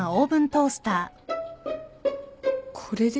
これで？